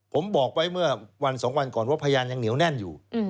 ผมบอกไว้เมื่อวัน๒วันก่อนว่าพยานยังเหนียวแน่นอยู่